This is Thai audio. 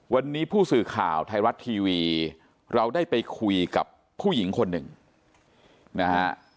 วันนี้ผู้สื่อข่าวไทยรัฐทีวีเราได้ไปคุยกับผู้หญิงคนหนึ่งนะฮะ